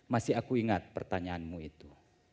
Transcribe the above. masih aku ingat pertanyaanmu itu